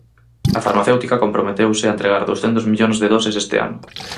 A farmacéutica comprometeuse a entregar douscentos millóns de doses este ano.